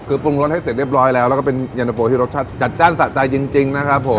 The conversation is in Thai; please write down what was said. คือปรุงรสให้เสร็จเรียบร้อยแล้วแล้วก็เป็นเย็นตะโฟที่รสชาติจัดจ้านสะใจจริงนะครับผม